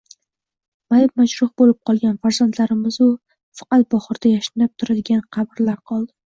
Mayib-majruh boʻlib qolgan farzandlarimiz-u faqat bahorda yashnab turadigan qabrlar qoldi...